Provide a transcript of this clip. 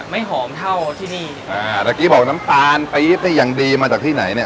หอมเท่าที่นี่อ่าเมื่อกี้บอกน้ำตาลปี๊บนี่อย่างดีมาจากที่ไหนเนี่ย